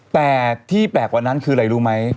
แต่ที่แปลกกว่านั้นคืออะไรรู้ไหม